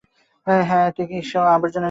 হ্যা, কি সব আবর্জনা নিচ্ছিস?